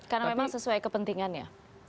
karena memang sesuai kepentingannya